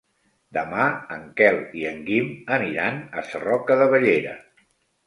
Demà en Quel i en Guim aniran a Sarroca de Bellera.